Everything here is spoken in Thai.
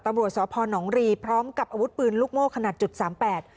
ตำรวจสพนรีพร้อมกับอาวุธปืนลูกโม่ขนาดจุดสามแปด